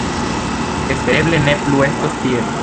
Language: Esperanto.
Espereble ne plu estos tiel.